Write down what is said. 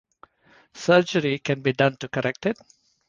Surgery can be done to correct it.